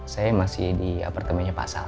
saya masih di apartemennya pak sal